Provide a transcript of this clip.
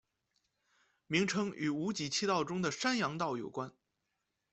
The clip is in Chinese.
名称与五畿七道中的山阳道有关。